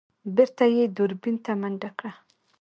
بېرته يې دوربين ته منډه کړه.